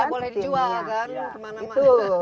dan tidak boleh dijual kan kemana mana